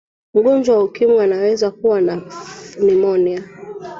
mgonjwa wa ukimwi anaweza kuwa na pneumonia